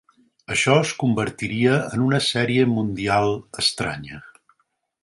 Això es convertiria en una Sèrie Mundial estranya.